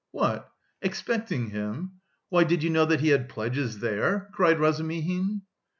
"What? Expecting him? Why, did you know that he had pledges there?" cried Razumihin.